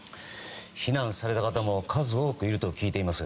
避難された方も数多くいると聞いています。